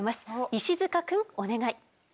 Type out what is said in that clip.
石塚くんお願い。